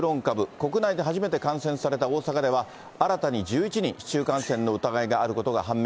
国内で初めて感染された大阪では、新たに１１人、市中感染の疑いがあることが判明。